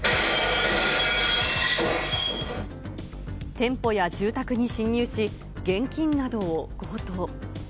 店舗や住宅に侵入し、現金などを強盗。